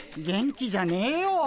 元気じゃねえよ。